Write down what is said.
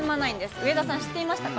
上田さん、知っていましたか。